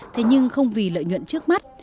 thế nhưng không vì lợi nhuận trước mắt